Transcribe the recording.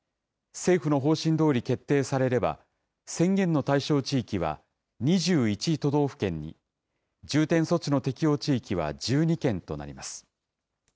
政府の方針どおり決定されれば、宣言の対象地域は２１都道府県に、重点措置の適用地域は１２県となります。